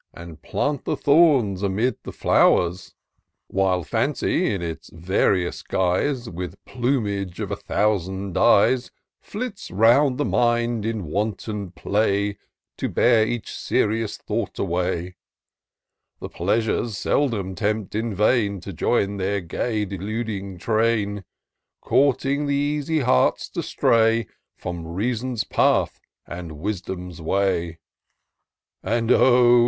And plant the thorns amid the flow'rs ; While Fancy, in its various guise. With plumage of a thousand dies, Flits round the mind in wanton play, | To bear each serious thought away. The Pleasures seldom tempt in vain To join their gay, deluding train ;^ Courting the easy hearts to stray From Reason's path and Wisdom's way : 244 TOUR OF DOCTOR SYNTAX And oh !